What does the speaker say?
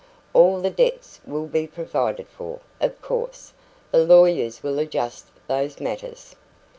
"All the debts will be provided for, of course. The lawyers will adjust those matters."